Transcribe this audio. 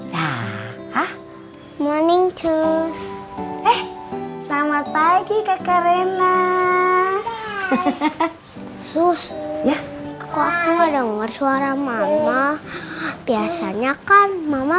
dahah morning sus eh selamat pagi kakak rena sus ya kok denger suara mama biasanya kan mama